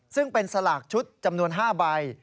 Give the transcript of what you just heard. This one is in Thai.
ซึ่งเป็นสลากชุดจำนวน๕ใบ